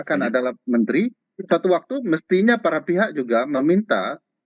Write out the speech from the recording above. karena adalah menteri suatu waktu mestinya para pihak juga meminta